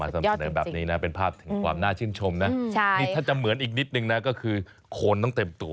สุดยอดจริงเป็นภาพความหน้าชื่นชมนะถ้าจะเหมือนอีกนิดนึงก็คือโคนต้องเต็มตัว